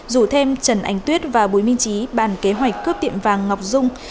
rủ thêm trần anh tuyết và bùi minh trí bàn kế hoạch cướp tiệm vàng ngọc dung